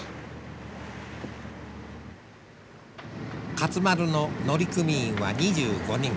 勝丸の乗組員は２５人。